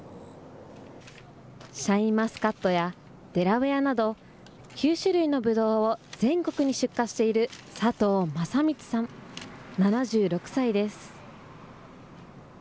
シャインマスカットやデラウェアなど、９種類のブドウを全国に出荷している佐藤正滿さん７６歳です。